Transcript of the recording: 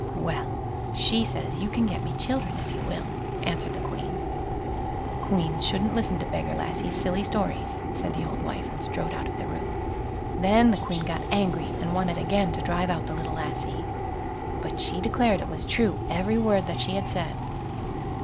"Well, she says you can get me children if you will", answered the Queen. "Queens shouldn't listen to beggar lassies' silly stories", said the old wife, and strode out of the room. Then the Queen got angry, and wanted again to drive out the little lassie; but she declared it was true every word that she had said.